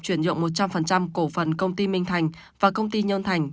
chuyển nhượng một trăm linh cổ phần công ty minh thành và công ty nhân thành